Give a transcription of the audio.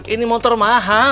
ini motor mahal